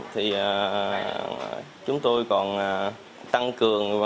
thì chúng tôi còn tăng cường